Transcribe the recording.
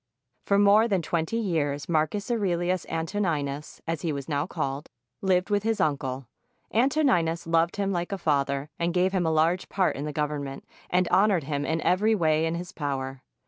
For more than twenty years, Marcus Aurelius Antoni nus, as he was now called, lived with his uncle. Anto ninus loved him like a father and gave him a large part in the Government, and honored him in every way in his power.